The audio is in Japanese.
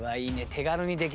手軽にできる。